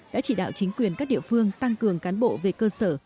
đã chỉ đạo chính quyền các địa phương tăng cường cán bộ về cơ sở